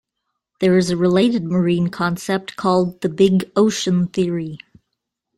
There is a related marine concept called the "big ocean theory".